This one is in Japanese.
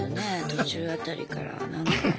途中辺りからなんか。